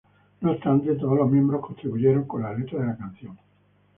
No obstante, todos los miembros contribuyeron con la letra de la canción.